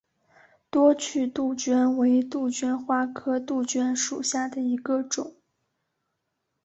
多趣杜鹃为杜鹃花科杜鹃属下的一个种。